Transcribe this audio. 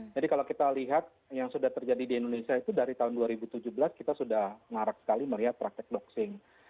jadi kalau kita lihat yang sudah terjadi di indonesia itu dari tahun dua ribu tujuh belas kita sudah ngarak sekali melihat praktek doxing